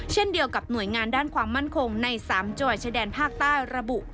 เช่นเดียวกับหน่วยงานด้านความมั่นคงใน๓จังหวัดชายแดนภาคใต้ระบุ